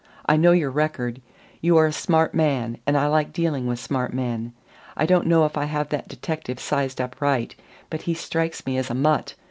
I know your record. You are a smart man, and I like dealing with smart men. I don't know if I have that detective sized up right, but he strikes me as a mutt.